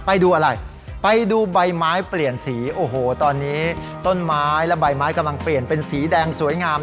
ไปดูอะไรไปดูใบไม้เปลี่ยนสีโอ้โหตอนนี้ต้นไม้และใบไม้กำลังเปลี่ยนเป็นสีแดงสวยงาม